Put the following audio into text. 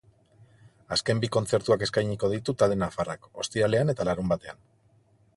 Azken bi kontzertuak eskainiko ditu talde nafarrak, ostiralean eta larunbatean.